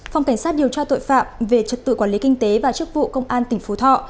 phòng cảnh sát điều tra tội phạm về trật tự quản lý kinh tế và chức vụ công an tỉnh phú thọ